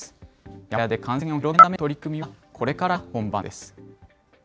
山小屋で感染を広げないための取り組みはこれからが本番です。